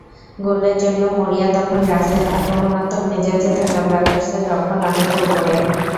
গোলের জন্য মরিয়া তখন রাসেল, আক্রমণাত্মক মেজাজে থাকা ব্রাদার্সের রক্ষণ অনেকটা ওপরে।